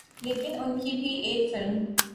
لیکن ان کی بھی ایک فلم